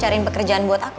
cariin pekerjaan buat aku